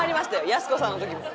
やす子さんの時も」